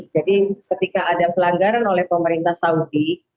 jadi ketika ada pelanggaran oleh pemerintah saudi